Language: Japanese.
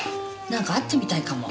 何か会ってみたいかも。